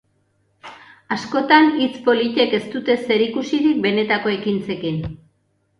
Askotan, hitz politek ez dute zerikusirik benetako ekintzekin.